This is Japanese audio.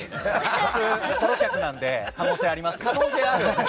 僕、ソロ客なので可能性あります。